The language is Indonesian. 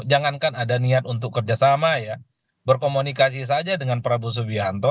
jangankan ada niat untuk kerjasama ya berkomunikasi saja dengan prabowo subianto